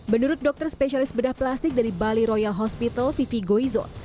menurut dokter spesialis bedah plastik dari bali royal hospital vivi goizo